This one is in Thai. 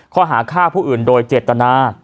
ข้อหาฆ่าผู้อื่นโดยเจตนา